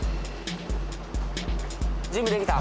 準備できた？